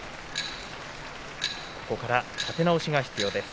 ここから、立て直しが必要です。